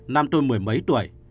năm tôi mười mấy tuổi